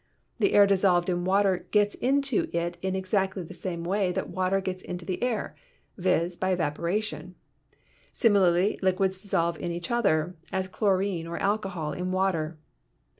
The air dissolved in water gets into it in exactly the same way that the water gets into the air — viz., by evaporation. Similarly liquids dissolve in each other, as chlorine or alcohol in water.